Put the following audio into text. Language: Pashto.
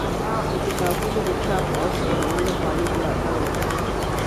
د کتابونو د چاپ او خپرولو مالي ملاتړ وکړئ